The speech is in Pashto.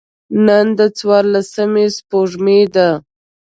نن د څوارلسمي سپوږمۍ ده.